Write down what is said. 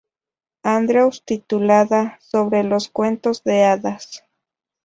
Andrews titulada "Sobre los cuentos de hadas".